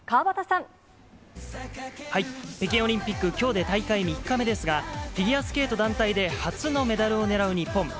北京オリンピック、きょうで大会３日目ですが、フィギュアスケート団体で初のメダルを狙う日本。